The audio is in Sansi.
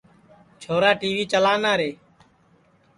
چھورا ٹی وی چلانا رے